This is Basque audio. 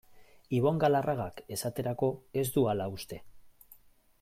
Ibon Galarragak, esaterako, ez du hala uste.